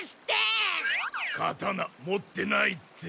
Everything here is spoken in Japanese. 刀持ってないって。